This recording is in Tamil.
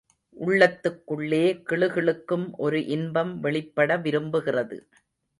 உள்ளத்துக்குள்ளே கிளுகிளுக்கும் ஒரு இன்பம் வெளிப்பட விரும்புகிறது.